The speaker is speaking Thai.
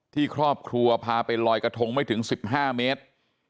ที่ครอบครัวพาไปลอยกระทงไม่ถึง๑๕เมตร